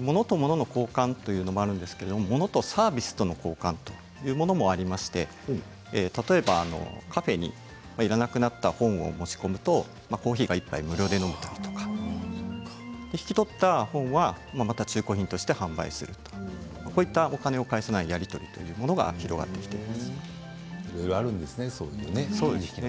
モノとモノの交換というのもあるんですがモノとサービスとの交換というものもありまして例えばカフェにいらなくなった本を持ち込むとコーヒーが１杯無料で飲めたり引き取った本はまた中古品として販売する、こういったお金を介さないやり取りというものが広がってきています。